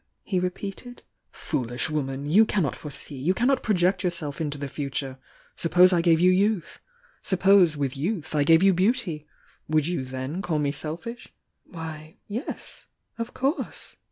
he repeated. "Foolish woman!— you cannot foresee — you cannot project yourself into Uie future. Suppose I gave you youth?— suppose with youth I gave you beauty?— Would you then call me selfish?" "Why, yes, of course!"